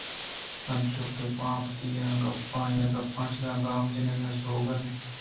انچوکہ آ پہ آئی ءِ گپاں چدان گام جنگ ءَ سوگہ نہ ِانت